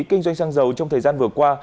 kinh doanh xăng dầu trong thời gian vừa qua